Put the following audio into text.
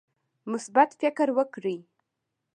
مثبت فکر وکړئ